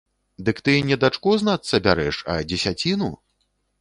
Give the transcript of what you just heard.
Дык ты не дачку, знацца, бярэш, а дзесяціну?